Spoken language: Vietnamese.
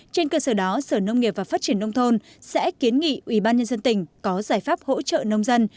trên cơ sở đó sở nông nghiệp và phát triển nông thôn sẽ kiến nghị ubnd tỉnh có giải pháp hỗ trợ nông dân